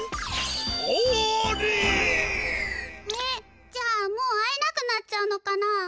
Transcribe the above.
えっじゃあもう会えなくなっちゃうのかな。